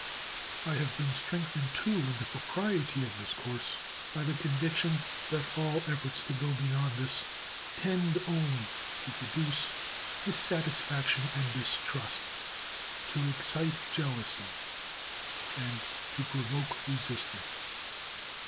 I have been strengthened, too, in the propriety of this course by the conviction that all efforts to go beyond this tend only to produce dissatisfaction and distrust, to excite jealousies, and to provoke resistance.